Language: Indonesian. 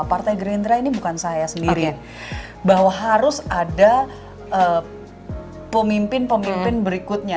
partai gerindra ini bukan saya sendiri bahwa harus ada pemimpin pemimpin berikutnya